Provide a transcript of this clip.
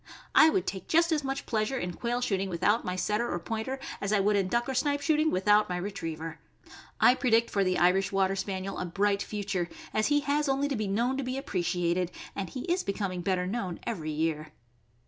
I would take just as much pleasure in quail shooting without my Setter or Pointer as I would in duck or snipe shooting without my Retriever. I predict for the Irish Water Spaniel a bright future, as he has only to be known to be appreciated, and he is becoming better known every year.